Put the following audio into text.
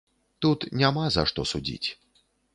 Тут няма за што судзіць.